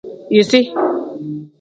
Yisi.